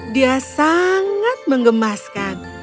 dia sangat mengemaskan